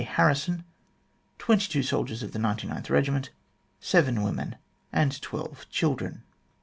Harrison, twenty two soldiers of the 99th Kegiment, seven women, and twelve children.